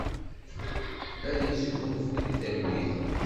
Ad yesgunfu di talwit.